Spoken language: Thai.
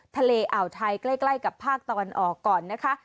ทะเลอ่าวไทยใกล้กับภาคตะวันออกก่อนนะคะ